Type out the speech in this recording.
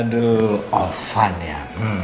aduh ovan ya